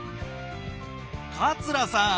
桂さん！